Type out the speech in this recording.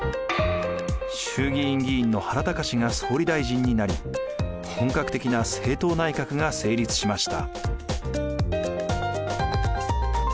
衆議院議員の原敬が総理大臣になり本格的な政党内閣が成立しました。